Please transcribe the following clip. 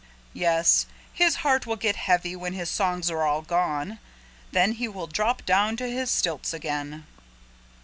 "Yes, his heart will get heavy when his songs are all gone. Then he will drop down to his stilts again."